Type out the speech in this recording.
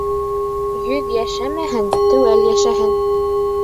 Йөҙ йәшәмәһен, теүәл йәшәһен.